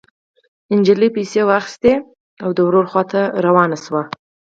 نجلۍ پيسې واخيستې او د وره خوا ته روانه شوه.